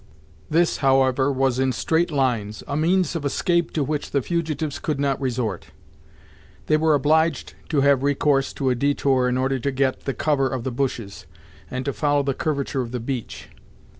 This, however, was in straight lines, a means of escape to which the fugitives could not resort. They were obliged to have recourse to a detour in order to get the cover of the bushes, and to follow the curvature of the beach.